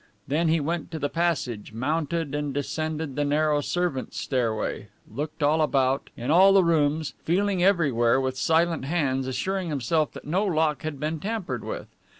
Then he went to the passage, mounted and descended the narrow servants' stairway, looked all about, in all the rooms, feeling everywhere with silent hands, assuring himself that no lock had been tampered with.